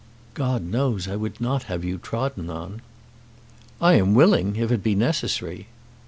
"God knows I would not have you trodden on." "I am willing, if it be necessary.